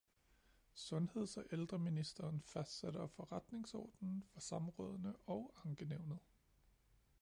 Sundheds- og ældreministeren fastsætter forretningsordenen for samrådene og ankenævnet